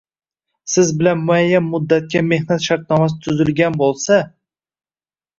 Siz bilan muayyan muddatga mehnat shartnomasi tuzilgan bo‘lsa